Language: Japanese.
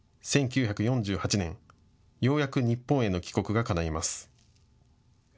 １９４８年、ようやく日本への帰国がかないます。